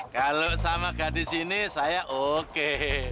kalau sama gadis ini saya oke